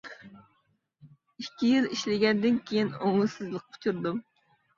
ئىككى يىل ئىشلىگەندىن كېيىن ئوڭۇشسىزلىققا ئۇچرىدىم.